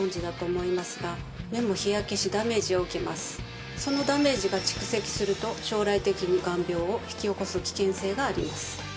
さらにそのダメージが蓄積すると将来的に眼病を引き起こす危険性があります。